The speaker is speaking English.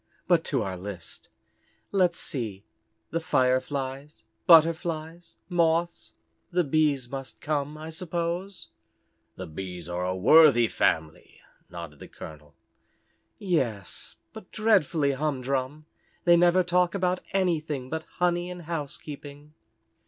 But to our list. Let's see, the Fireflies, Butterflies, Moths. The Bees must come, I suppose." "The Bees are a worthy family," nodded the colonel. "Yes, but dreadfully humdrum. They never talk about anything but honey and housekeeping."